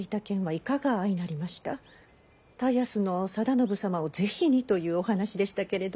田安の定信様をぜひにというお話でしたけれど。